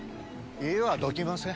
家はどきません。